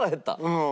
うん。